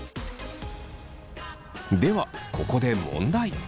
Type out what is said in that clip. ではここで問題。